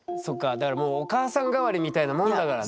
だからもうお母さん代わりみたいなもんだからね。